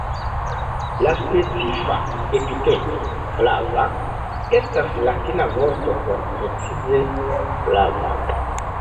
La specifa epiteto "flava" estas latina vorto por precize "flava".